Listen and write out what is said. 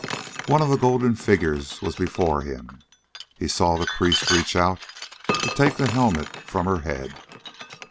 One of the golden figures was before him. He saw the priest reach out to take the helmet from her head.